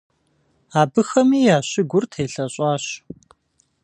Абыхэми я щыгур телъэщӀащ.